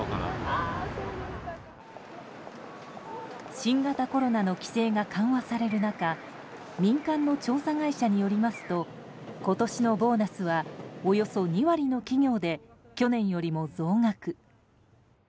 新型コロナの規制が緩和される中民間の調査会社によりますと今年のボーナスはおよそ２割の企業で去年よりも増額。